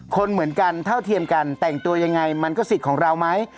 คนเหมือนกันเท่าเทียมกันแต่งตัวยังไงมันก็สิทธิ์ของเราไหม